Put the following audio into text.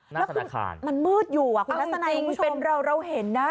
หน้าธนาคารมันมืดอยู่คุณลักษณะยิงคุณผู้ชมเอ้าจริงเราเห็นนะ